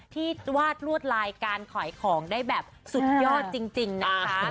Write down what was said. ที่วาดลวดลายการขายของได้แบบสุดยอดจริงนะคะ